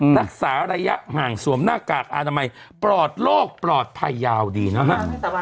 รักษาระยะห่างสวมหน้ากากอนามัยปลอดโลกปลอดภัยยาวดีนะฮะ